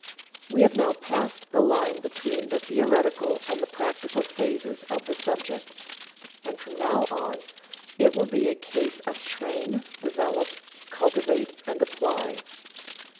We have now passed the line between the theoretical and the practical phases of the subject, and from now on it will be a case of train, develop, cultivate and apply.